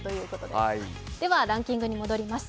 ではランキングに戻ります。